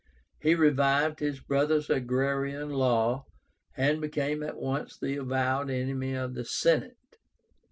He revived his brother's agrarian law, and became at once the avowed enemy of the Senate.